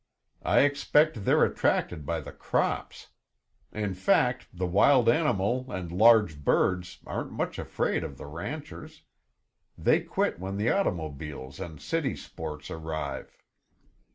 I expect they're attracted by the crops. In fact, the wild animals and large birds aren't much afraid of the ranchers; they quit when the automobiles and city sports arrive."